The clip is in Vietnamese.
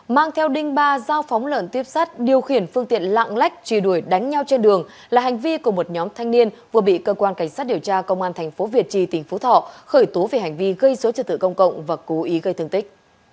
mang theo đinh ba giao phóng lợn tiếp sát điều khiển phương tiện lạng lách trì đuổi đánh nhau trên đường là hành vi của một nhóm thanh niên vừa bị cơ quan cảnh sát điều tra công an thành phố việt trì tỉnh phú thọ khởi tố về hành vi gây số trật tự công cộng và cố ý gây thương tích